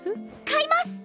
買います！